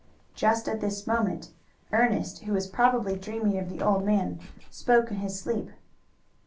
Just at this moment Ernest, who was probably dreaming of the old man, spoke in his sleep.